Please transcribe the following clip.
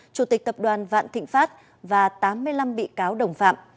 chủ tịch tập đoàn vạn thịnh pháp và tám mươi năm bị cáo đồng phạm